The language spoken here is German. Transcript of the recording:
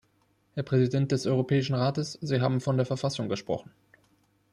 Herr Präsident des Europäischen Rates, Sie haben von der Verfassung gesprochen.